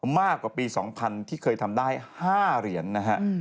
มากกว่าปี๒๐๐ที่เคยทำได้๕เหรียญนะฮะ